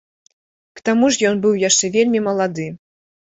К таму ж ён быў яшчэ вельмі малады.